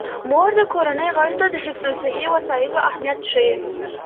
مور د کورنۍ غړو ته د حفظ الصحې وسایلو اهمیت ښيي.